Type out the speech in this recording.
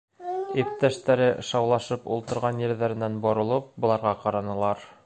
Иптәштәре, шаулашып ултырған ерҙәренән боролоп, быларға ҡаранылар.